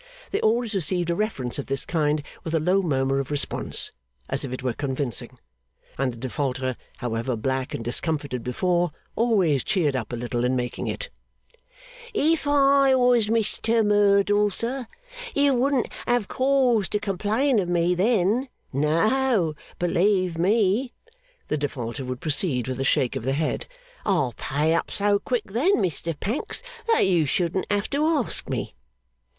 They always received a reference of this kind with a low murmur of response, as if it were convincing; and the Defaulter, however black and discomfited before, always cheered up a little in making it. 'If I was Mr Merdle, sir, you wouldn't have cause to complain of me then. No, believe me!' the Defaulter would proceed with a shake of the head. 'I'd pay up so quick then, Mr Pancks, that you shouldn't have to ask me.